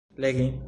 legi